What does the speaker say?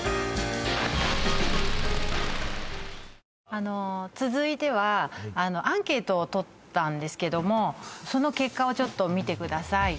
あの続いてはアンケートをとったんですけどもその結果をちょっと見てください